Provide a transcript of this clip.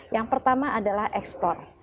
yang pertama adalah ekspor